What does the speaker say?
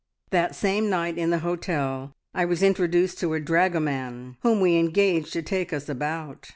"That same night in the hotel I was introduced to a dragoman, whom we engaged to take us about.